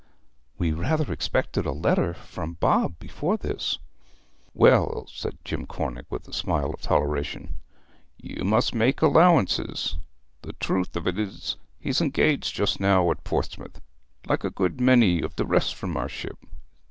'We rather expected a letter from Bob before this.' 'Well,' said Jim Cornick, with a smile of toleration, 'you must make allowances. The truth o't is, he's engaged just now at Portsmouth, like a good many of the rest from our ship.